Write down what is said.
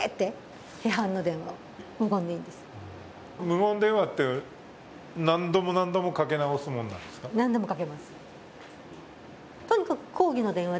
無言電話って何度も何度もかけ直すものなんですか？